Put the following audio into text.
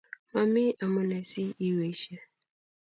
Mami amunee si iyweishe